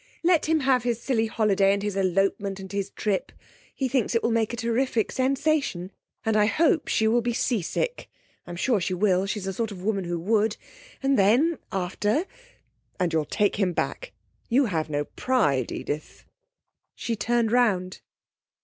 'Let him have his silly holiday and his elopement and his trip! He thinks it will make a terrific sensation! And I hope she will be seasick. I'm sure she will; she's the sort of woman who would, and then after ' 'And you'll take him back? You have no pride, Edith.' She turned round.